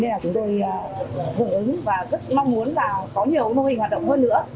nên là chúng tôi hưởng ứng và rất mong muốn là có nhiều mô hình hoạt động hơn nữa